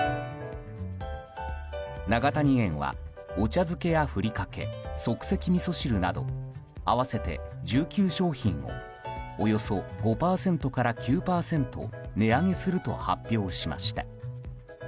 永谷園は、お茶漬けやふりかけ即席みそ汁など合わせて１９商品をおよそ５％から９％値上げすると発表しました。